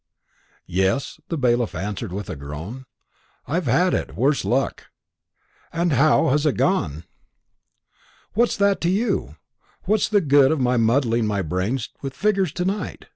"Yes," the bailiff answered with a groan; "I've had it, worse luck." "And how has it gone?" "What's that to you? What's the good of my muddling my brains with figures to night?